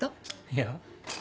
いや。